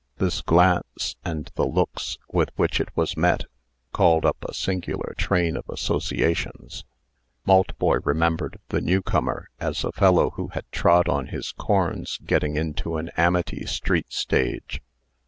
This glance, and the looks with which it was met, called up a singular train of associations. Maltboy remembered the new comer as a fellow who had trod on his corns getting into an Amity street stage.